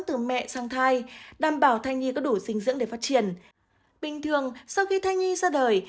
từ mẹ sang thai đảm bảo thai nhi có đủ dinh dưỡng để phát triển bình thường sau khi thai nhi ra đời